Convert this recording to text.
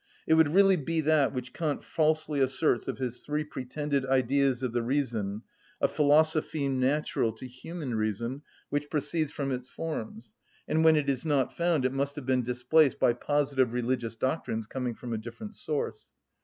It would really be that which Kant falsely asserts of his three pretended Ideas of the reason, a philosopheme natural to human reason, which proceeds from its forms; and when it is not found it must have been displaced by positive religious doctrines coming from a different source.